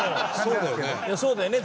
いやそうだよね。